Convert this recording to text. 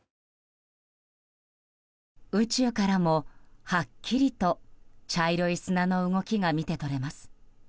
宇宙からもはっきりと茶色い砂の動きが見て取れます。